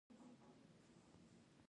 ابادان او خرمشهر بیا جوړ شول.